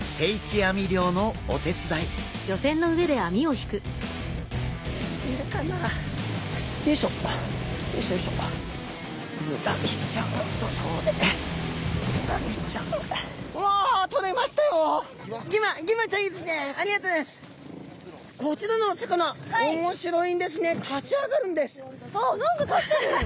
あっ何か立ってる！